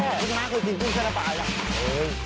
พี่มาร์ทเคยกินกุ้งแช่น้ำปลาอย่างนั้น